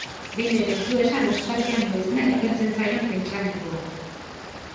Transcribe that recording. Behin ere ez du esan aspaldian noiznahi agertzen zaion pentsamendua.